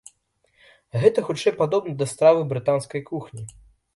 Гэта хутчэй падобна да стравы брытанскай кухні!